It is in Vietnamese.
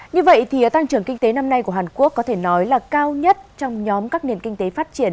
như vậy thì tăng trưởng kinh tế năm nay của hàn quốc có thể nói là cao nhất trong nhóm các nền kinh tế phát triển